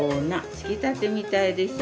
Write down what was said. つきたてみたいでしょ。